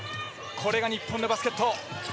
これが日本のバスケット。